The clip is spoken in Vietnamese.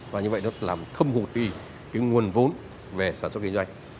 và như vậy nó làm thâm hụt đi cái nguồn vốn về sản xuất kinh doanh